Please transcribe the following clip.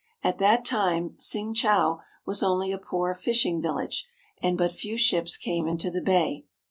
At that time Tsingchau was only a poor fishing village, and but few ships came into the bay.